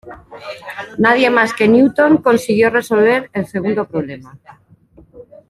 Nadie más que Newton consiguió resolver el segundo problema.